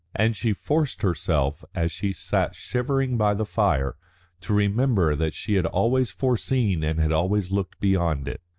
And she forced herself, as she sat shivering by the fire, to remember that she had always foreseen and had always looked beyond it.